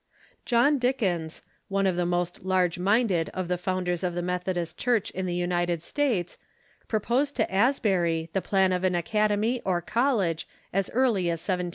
John Dickens, one of the most large minded of the founders of the Methodist Church in the United States, proposed to Asbury the plan of an academy or collefje as early Education ^^^\